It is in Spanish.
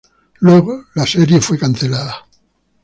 Luego, la serie fue cancelada.